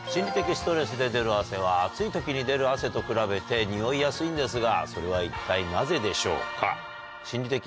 ストレスで出る汗は暑い時に出る汗と比べてにおいやすいんですがそれは一体なぜでしょうか？